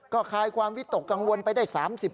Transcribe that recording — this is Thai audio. ก็คลายความวิตกกังวลไปได้๓๐